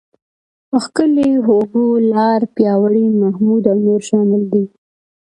ښکلی، هوګو، لاړ، پیاوړی، محمود او نور شامل دي.